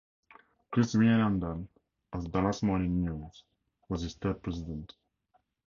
Chris Wienandt of the "Dallas Morning News" was its third president.